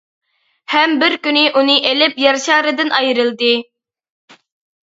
ھەم بىر كۈنى ئۇنى ئىلىپ يەر شارىدىن ئايرىلدى.